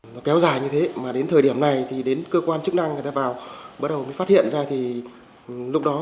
và kéo dài như thế mà đến thời điểm này thì đến cơ quan chức năng người ta vào bắt đầu mới phát hiện ra thì lúc đó